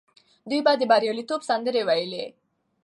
دوی به د بریالیتوب سندرې ویلې.